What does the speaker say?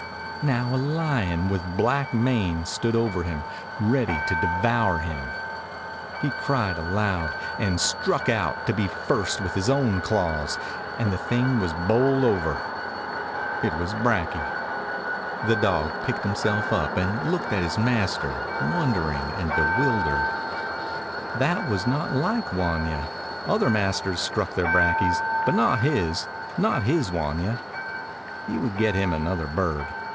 Now a lion with a black mane stood over him, ready to devour him. ... 180 A KAFIR DOG He cried aloud, and struck out — to be first with his own claws — and the thing was bowled over; it was Brakje. The dog picked himself up and looked at his master, wondering and bewildered. That was not like Wanya. Other masters struck their brakjes, but not his — not his Wanya. He would get him another bird.